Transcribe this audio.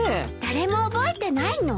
誰も覚えてないの？